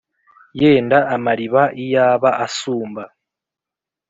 Yenda amariba iyaba asumba